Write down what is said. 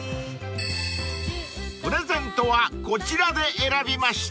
［プレゼントはこちらで選びました］